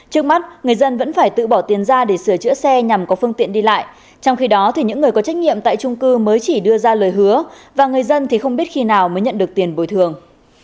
trước mắt người dân vẫn phải tự bỏ tiền ra để sửa chữa xe nhằm có phương tiện đi lại trong khi đó những người có trách nhiệm tại trung cư mới chỉ đưa ra lời hứa và người dân thì không biết khi nào mới nhận được tiền bồi thường